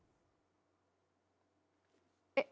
えっ？